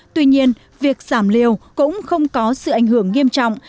tuy nhiên việc giảm liều cũng không có sự ảnh hưởng nghiêm trọng